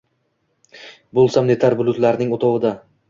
Boʼlsam netar bulutlarning oʼtovida